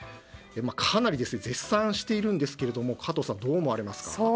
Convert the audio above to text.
かなり絶賛しているんですが加藤さん、どう思われますか。